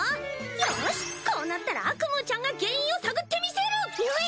よしこうなったらアクムーちゃんが原因を探ってみせる！にゅえ！？